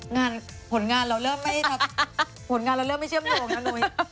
งานผลงานเราก็เริ่มไม่เชื่อมโดงอ่ะนุย